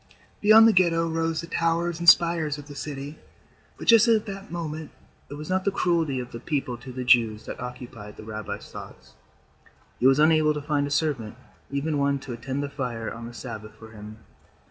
Beyond the Ghetto rose the towers and spires of the city, but just at that moment it was not the cruelty of the people to the Jews that occupied the rabbi's thoughts. He was unable to find a servant, even one to attend the fire on the Sabbath for him.